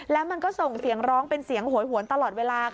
แล้วมันก็ส่งเสียงร้องเป็นเสียงโหยหวนตลอดเวลา